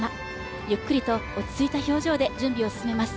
ゆっくりと落ち着いた表情で準備を進めます。